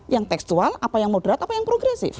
yang tekstual apa yang moderat apa yang progresif